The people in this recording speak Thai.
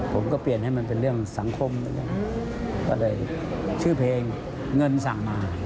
ผมก็เปลี่ยนให้มันเป็นเรื่องสังคมก็เลยชื่อเพลงเงินสั่งมา